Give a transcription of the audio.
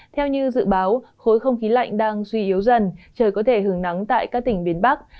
theo như dự báo khối không khí lạnh đang suy yếu dần trời có thể hứng nắng tại các tỉnh miền bắc